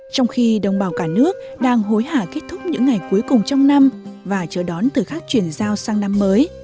trong khi đồng bào cả nước đang hối hả kết thúc những ngày cuối cùng trong năm và chờ đón từ khắc chuyển giao sang năm mới